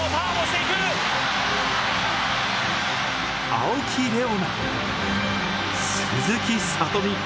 青木玲緒樹、鈴木聡美。